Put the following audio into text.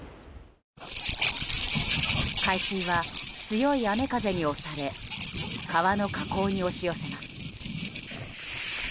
海水は強い雨風に押され川の河口に押し寄せます。